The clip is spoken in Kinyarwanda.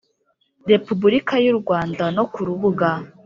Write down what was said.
Repubulika y u Rwanda no ku rubuga